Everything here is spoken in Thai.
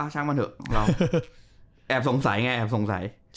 ช่างมันเถอะเราแอบสงสัยไงแอบสงสัย